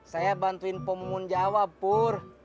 saya bantuin pemungun jawab pur